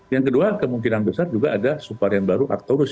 yang kedua kemungkinan besar juga ada subvarian baru aktorus